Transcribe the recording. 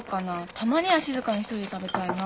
たまには静かに１人で食べたいな。